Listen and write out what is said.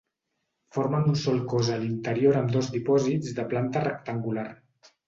Formen un sol cos a l'interior amb dos dipòsits de planta rectangular.